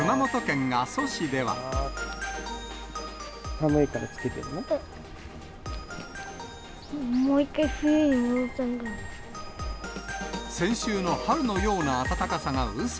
寒いからつけてるの？